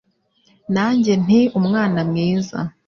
Nanjye nti Umwana mwiza